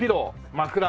枕。